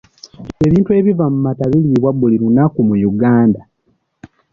Ebintu ebiva mu mata biriibwa buli lunaku mu Uganda.